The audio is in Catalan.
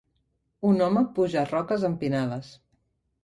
Un home puja roques empinades